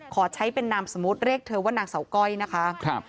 ขอใช้เป็นนามสมมุติเรียกเธอว่านางเสาก้อยนะคะ